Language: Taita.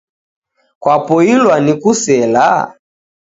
Kwapoilwa ni kusela?.